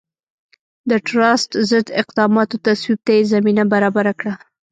د ټراست ضد اقداماتو تصویب ته یې زمینه برابره کړه.